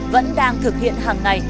vẫn đang thực hiện hàng ngày